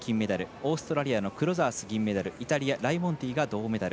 オーストラリアのクロザース銀メダルイタリア、ライモンディが銅メダル。